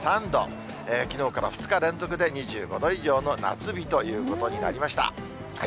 きのうから２日連続で２５度以上の夏日ということになりました。